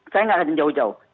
saya gak akan jauh jauh